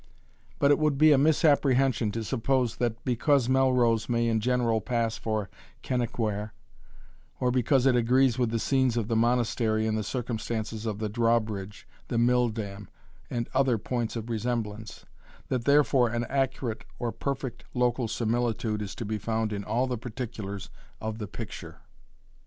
But it would be a misapprehension to suppose, that, because Melrose may in general pass for Kennaquhair, or because it agrees with scenes of the Monastery in the circumstances of the drawbridge, the milldam, and other points of resemblance, that therefore an accurate or perfect local similitude is to be found in all the particulars of the picture.